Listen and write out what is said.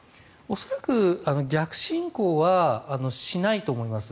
恐らく逆侵攻はしないと思います。